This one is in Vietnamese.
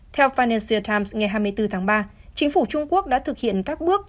theo fannisit times ngày hai mươi bốn tháng ba chính phủ trung quốc đã thực hiện các bước